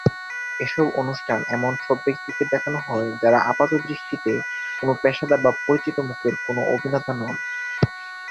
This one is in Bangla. এসব অনুষ্ঠানে এমন সব ব্যক্তিকে দেখানোহয়, যারা আপাতদৃষ্টিতে কোন পেশাদার বা পরিচিত মুখের কোনও অভিনেতা নন।